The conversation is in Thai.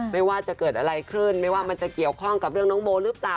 ไม่ว่าจะเกิดอะไรขึ้นไม่ว่ามันจะเกี่ยวข้องกับเรื่องน้องโบหรือเปล่า